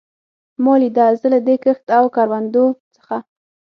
ما لیده، زه له دې کښت او کروندو څخه.